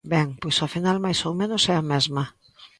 Ben, pois ao final máis ou menos é a mesma.